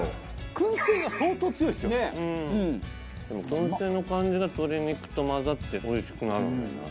燻製の感じが鶏肉と混ざっておいしくなるんだよなすごく。